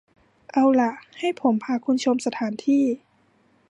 เอาละ ให้ผมพาคุณชมสถานที่